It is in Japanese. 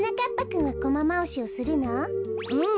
うん。